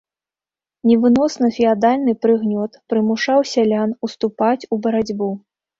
Невыносны феадальны прыгнёт прымушаў сялян ўступаць у барацьбу.